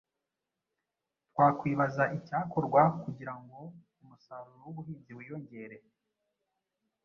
Twakwibaza icyakorwa kugira ngo umusaruro w’ubuhinzi wiyongere?